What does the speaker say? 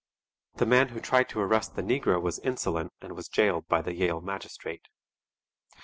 The man who tried to arrest the negro was insolent and was jailed by the Yale magistrate.